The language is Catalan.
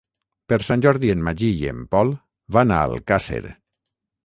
Per Sant Jordi en Magí i en Pol van a Alcàsser.